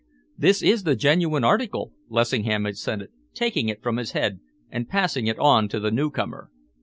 "This is the genuine article," Lessingham assented, taking it from his head and passing it on to the newcomer.